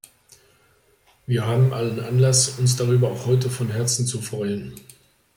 Wir haben allen Anlass, uns darüber auch heute von Herzen zu freuen.